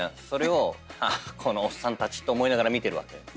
それを「このおっさんたち」と思いながら見てるわけ？